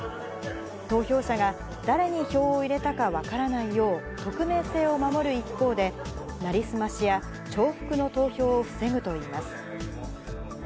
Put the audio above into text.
投票者が誰に票を入れたか分からないよう、匿名性を守る一方で、成り済ましや重複の投票を防ぐといいます。